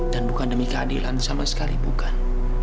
dan bukan demi keadilan sama sekali bukan